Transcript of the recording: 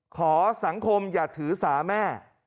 ขอสังคมอย่าถือสาแม่